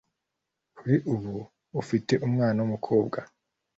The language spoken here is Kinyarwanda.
kuri ubu ufite umwana w’umukobwa